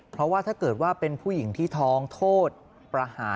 เพราะว่าถ้าเกิดว่าเป็นผู้หญิงที่ท้องโทษประหาร